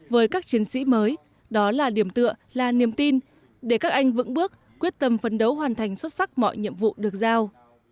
với các chiến sĩ mới đó là điểm tựa là niềm tin để các anh vững bước quyết tâm phấn đấu hoàn thành xuất sắc mọi nhiệm vụ được giao